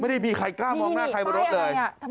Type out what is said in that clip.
ไม่ได้มีใครกล้ามองหน้าใครบนรถเลย